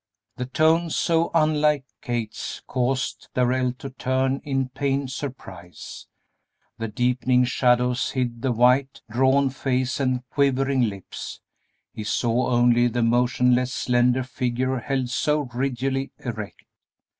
The tones, so unlike Kate's, caused Darrell to turn in pained surprise. The deepening shadows hid the white, drawn face and quivering lips; he saw only the motionless, slender figure held so rigidly erect.